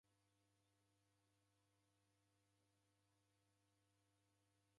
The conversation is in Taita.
W'asaw'i w'akwana kilembenyi.